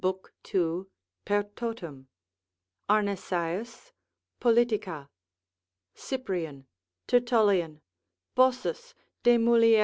2. per totum. Arnisaeus, polit. Cyprian, Tertullian, Bossus de mulier.